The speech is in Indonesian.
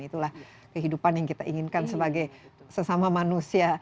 itulah kehidupan yang kita inginkan sebagai sesama manusia